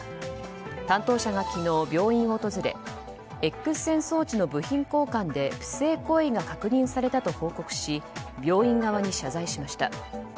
担当者が昨日、病院を訪れＸ線装置の部品交換で不正行為が確認されたと病院側に謝罪しました。